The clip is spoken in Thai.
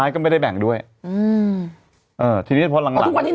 ก็ไม่ได้เครียร์